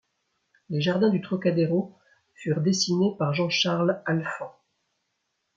Les jardins du Trocadéro furent dessinés par Jean-Charles Alphand.